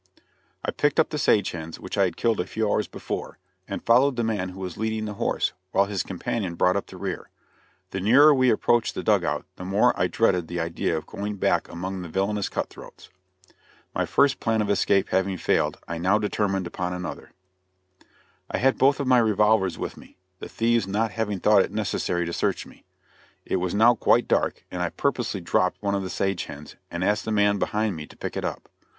I picked up the sage hens, which I had killed a few hours before, and followed the man who was leading the horse, while his companion brought up the rear. The nearer we approached the dug out the more I dreaded the idea of going back among the villainous cut throats. My first plan of escape having failed, I now determined upon another. [Illustration: MY ESCAPE FROM THE HORSE THIEVES.] I had both of my revolvers with me, the thieves not having thought it necessary to search me. It was now quite dark, and I purposely dropped one of the sage hens, and asked the man behind me to pick it up.